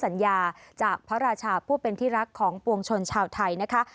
สัญญาจากพระราชาผู้เป็นที่รักของปวงชนชาวไทยนะคะ